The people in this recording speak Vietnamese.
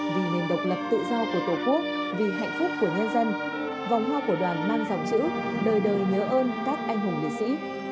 vì nền độc lập tự do của tổ quốc vì hạnh phúc của nhân dân vòng hoa của đoàn mang dòng chữ đời đời nhớ ơn các anh hùng liệt sĩ